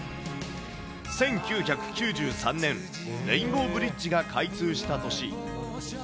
１９９３年、レインボーブリッジが開通した年。